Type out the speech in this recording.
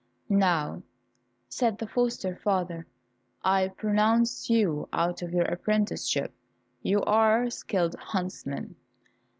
"Now," said the foster father, "I pronounce you out of your apprenticeship; you are skilled huntsmen."